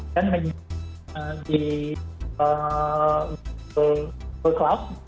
dan menyimpan di google cloud